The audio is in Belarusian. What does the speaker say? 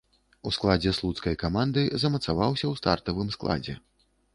У складзе слуцкай каманды замацаваўся ў стартавым складзе.